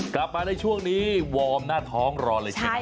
กลับมาในช่วงนี้วอร์มหน้าท้องรอเลยใช่ไหม